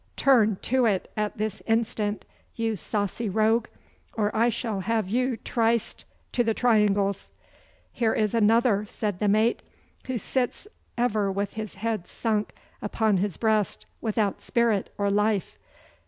Turn to it at this instant, you saucy rogue, or I shall have you triced to the triangles!' 'Here is another,' said the mate, 'who sits ever with his head sunk upon his breast without spirit or life.